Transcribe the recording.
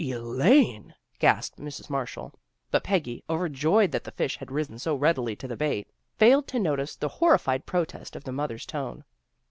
" "Elaine!" gasped Mrs. Marshall. But Peggy, overjoyed that the fish had risen so readily to the bait, failed to notice the horri fied protest of the mother's tone.